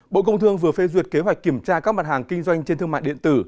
bộ công thương vừa phê duyệt kế hoạch kiểm tra các mặt hàng kinh doanh trên thương mại điện tử